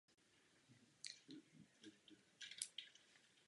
Pouze čas od času dohlížel na průběh zkoušek jeden z herců.